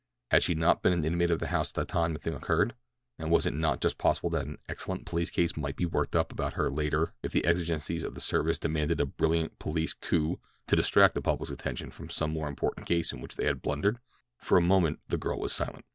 Had she not been an inmate of the house at the time the thing occurred? And was it not just possible that an excellent police case might be worked up about her later if the exigencies of the service demanded a brilliant police coup to distract the public's attention from some more important case in which they had blundered? For a moment the girl was silent.